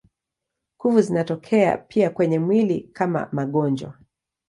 Kuvu zinatokea pia kwenye mwili kama magonjwa.